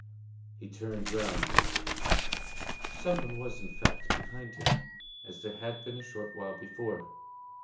He turned round. Some one was, in fact, behind him, as there had been a short while before.